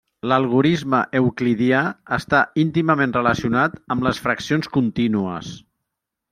L'algorisme euclidià està íntimament relacionat amb les fraccions contínues.